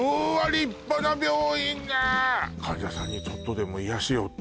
立派な病院ね患者さんにちょっとでも癒やしをって